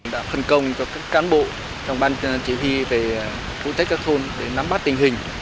đã phân công cho các cán bộ trong ban chỉ huy về phụ trách các thôn để nắm bắt tình hình